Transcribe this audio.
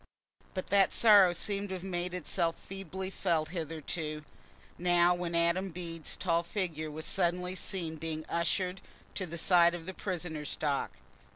But that sorrow seemed to have made it itself feebly felt hitherto, now when Adam Bede's tall figure was suddenly seen being ushered to the side of the prisoner's dock.